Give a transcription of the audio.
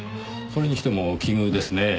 それにしても奇遇ですねぇ。